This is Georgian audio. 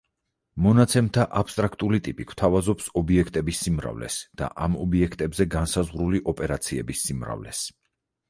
მონაცემთა აბსტრაქტული ტიპი გვთავაზობს ობიექტების სიმრავლეს და ამ ობიექტებზე განსაზღვრული ოპერაციების სიმრავლეს.